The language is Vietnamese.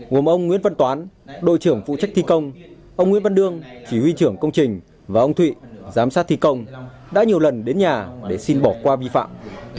gồm ông nguyễn văn toán đội trưởng phụ trách thi công ông nguyễn văn đương chỉ huy trưởng công trình và ông thụy giám sát thi công đã nhiều lần đến nhà để xin bỏ qua vi phạm